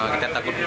kita takut juga